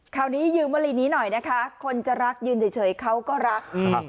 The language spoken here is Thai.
คราวนี้ยืมวลีนี้หน่อยนะคะคนจะรักยืนเฉยเขาก็รักอืม